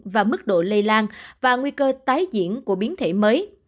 và mức độ lây lan và nguy cơ tái diễn của biến thể mới